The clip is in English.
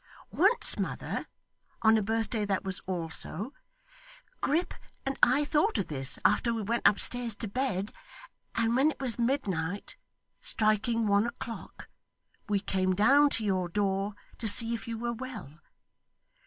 Once, mother (on a birthday that was, also), Grip and I thought of this after we went upstairs to bed, and when it was midnight, striking one o'clock, we came down to your door to see if you were well.